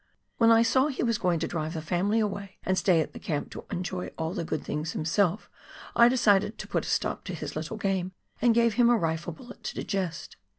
AVhen I saw he was going to drive the family away and stay at the camp to enjoy all the good things himself, I decided to put a stop to his little game, and gave him a rifle bullet to digest.